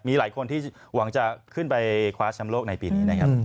มีหลายคนที่หวังจะขึ้นไปคว้าแชมป์โลกในปีนี้นะครับ